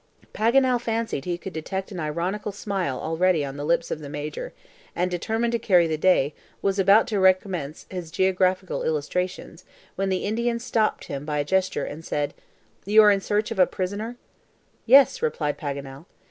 Paganel fancied he could detect an ironical smile already on the lips of the Major, and determined to carry the day, was about to recommence his geographical illustrations, when the Indian stopped him by a gesture, and said: "You are in search of a prisoner?" "Yes," replied Paganel.